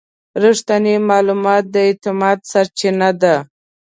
رښتینی معلومات د اعتماد سرچینه ده.